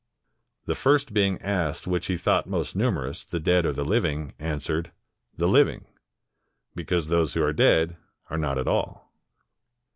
The first being asked which he thought most numer ous, the dead or the living, answered, "The living, be cause those who are dead are not at all."